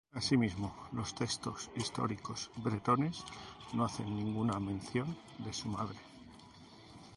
Asimismo, los textos históricos bretones no hacen ninguna mención de su madre.